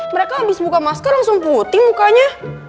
mereka abis buka masker langsung putih mukanya